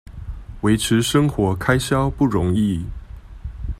維持生活開銷不容易